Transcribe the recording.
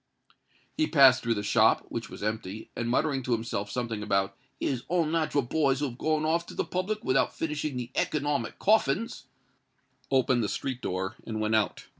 He passed through the shop, which was empty; and, muttering to himself something about "his unnat'ral boys who had gone off to the public without finishing the economic coffins," opened the street door and went out.